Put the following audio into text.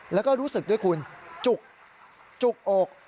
แล้วก็รู้สึกด้วยคุณจุกจุกอก